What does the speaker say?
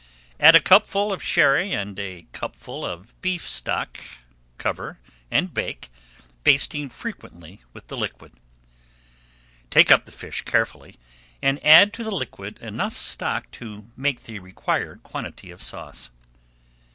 Add a cupful of Sherry and a cupful of beef stock, cover, and bake, basting frequently with the liquid. Take up the fish carefully, and add to the liquid enough stock to make the required quantity of sauce.